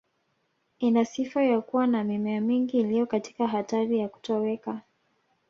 Ina sifa ya kuwa na mimea mingi iliyo katika hatari ya kutoweka